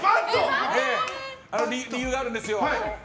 理由があるんですよ。